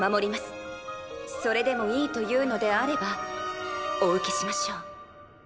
それでもいいというのであればお受けしましょう。！